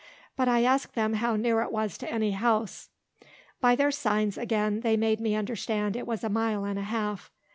But I asked them how near it was to any house? By their signs, again, they made me understand it was a mile and a half.